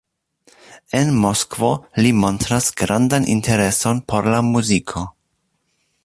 En Moskvo li montras grandan intereson por la muziko.